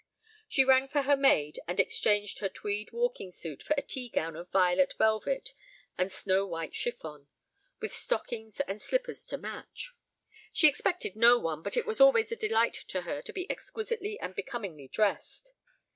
She rang for her maid and exchanged her tweed walking suit for a tea gown of violet velvet and snow white chiffon, with stockings and slippers to match. She expected no one but it was always a delight to her to be exquisitely and becomingly dressed.